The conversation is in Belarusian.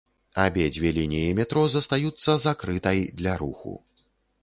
Абедзве лініі метро застаюцца закрытай для руху.